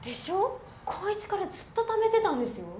高１からずっとためてたんですよ？